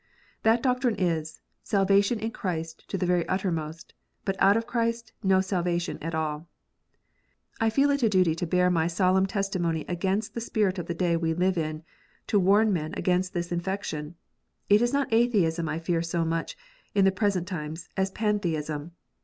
That doctrine is, salvation in Christ to the very uttermost, but out of Christ no salvation at all. I feel it a duty to bear my solemn testimony against the spirit of the day we live in ; to warn men against its infection. It is not Atheism I fear so much, in the present times, as Pantheism.